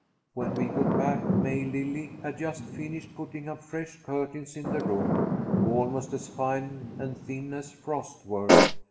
When we got back May Lily had just finished putting up fresh curtains in the room, almost as fine and thin as frost work.